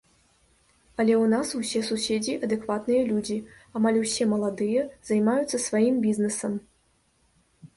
Але ў нас усе суседзі адэкватныя людзі, амаль усе маладыя, займаюцца сваім бізнесам.